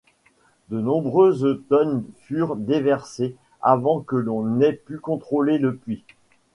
De nombreuses tonnes furent déversées avant que l'on ait pu contrôler le puits.